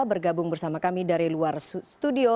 bergabung bersama kami dari luar studio